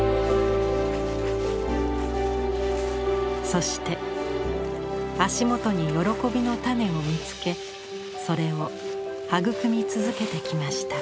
そして足元に喜びの種を見つけそれを育み続けてきました。